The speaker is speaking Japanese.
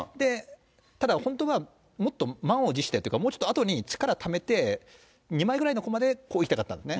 ただ、本当はもっと満を持してというか、もうちょっとあとに力ためて、２枚くらいのこまで攻撃したかったんですね。